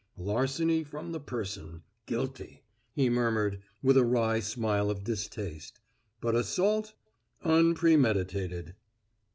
"Larceny from the person guilty," he murmured, with a wry smile of distaste. "But assault unpremeditated."